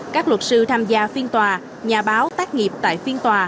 các luật sư tham gia phiên tòa nhà báo tác nghiệp tại phiên tòa